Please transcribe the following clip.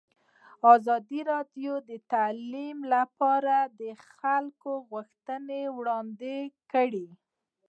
ازادي راډیو د تعلیم لپاره د خلکو غوښتنې وړاندې کړي.